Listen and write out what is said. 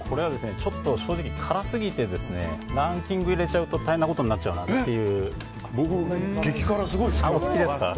ちょっと正直、辛すぎてランキングに入れちゃうと大変なことになっちゃうなという。